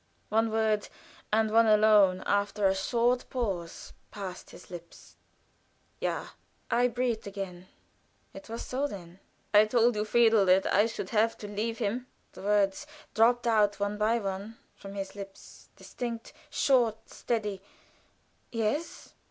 One word, and one alone, after a short pause, passed his lips "Ja!" I breathed again. It was so then. "I told you, Friedel, that I should have to leave him?" The words dropped out one by one from his lips, distinct, short, steady. "Yes."